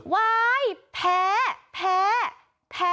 ว้ายแพ้แพ้แพ้